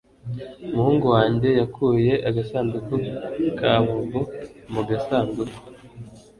Umuhungu wanjye yakuye agasanduku ka bombo mu gasanduku.